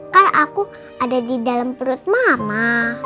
karena aku ada di dalam perut mama